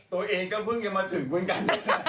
ตัวเองก็เพิ่งจะมาถึงเหมือนกัน